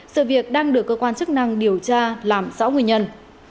sự việc đang được cơ quan chức năng điều tra làm rõ nguyên nhân